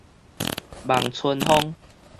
望春風